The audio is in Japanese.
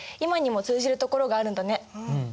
うん。